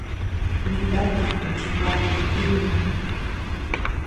Ni kad iku chi gua di ntiñu.